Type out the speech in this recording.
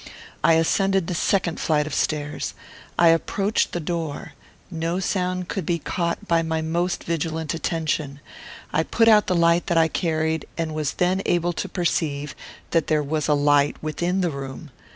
I ascended the second flight of stairs. I approached the door. No sound could be caught by my most vigilant attention. I put out the light that I carried, and was then able to perceive that there was light within the room.